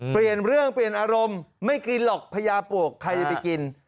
เปลี่ยนเรื่องเปลี่ยนอารมณ์ไม่กินหรอกพญาปวกใครจะไปกิน